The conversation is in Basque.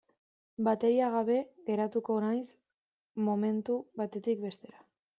Bateria gabe geratuko naiz momentu batetik bestera.